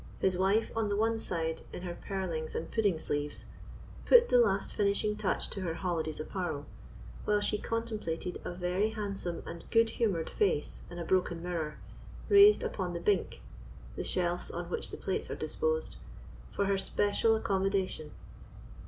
His wife, on the one side, in her pearlings and pudding sleeves, put the last finishing touch to her holiday's apparel, while she contemplated a very handsome and good humoured face in a broken mirror, raised upon the bink (the shelves on which the plates are disposed) for her special accommodation.